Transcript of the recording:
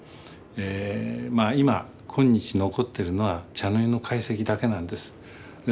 今今日残ってるのは茶の湯の懐石だけなんです。